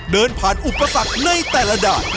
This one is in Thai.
เดินผ่านอุปสรรคในแต่ละด่าน